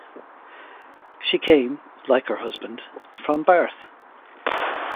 She came (like her husband) from Barth.